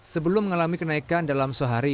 sebelum mengalami kenaikan dalam sehari